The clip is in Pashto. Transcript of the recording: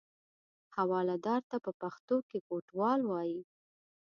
حوالهدار ته په پښتو کې کوټوال وایي.